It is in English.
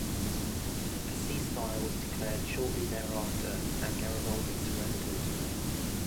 A cease-fire was declared shortly thereafter, and Garibaldi surrendered.